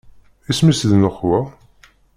Isem-is di nnekwa?